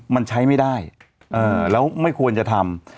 มันใช้ไม่ได้แล้วไม่ควรจะทำ